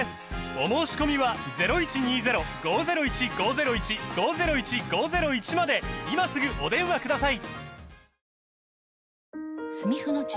お申込みは今すぐお電話ください